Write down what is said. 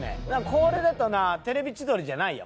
これだとな『テレビ千鳥』じゃないやん。